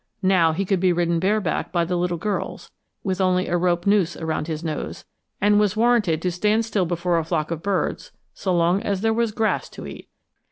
Now he could be ridden bareback by the little girls, with only a rope noose around his nose, and was warranted to stand still before a flock of birds so long as there was grass to eat.